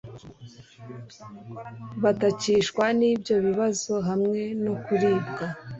batakishwa n’ibyo bibazo, hamwe no kuribwa